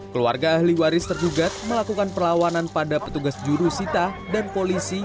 keluarga ahli waris terjugat melakukan perlawanan pada petugas juru sita dan polisi